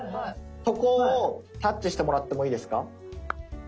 そこをタッチしてもらってもいいですか？